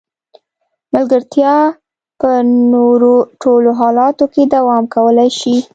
ملګرتیا په نورو ټولو حالتونو کې دوام کولای شي.